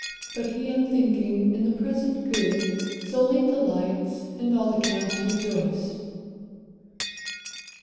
But he, unthinking, in the present good Solely delights, and all the camps rejoice.